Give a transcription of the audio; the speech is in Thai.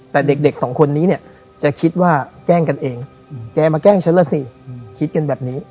แต่เด็กสองคนนี้เนี่ยจะคิดว่าแกล้งกันเองแกมาแกล้งฉันล่ะสิคิดกันแบบนี้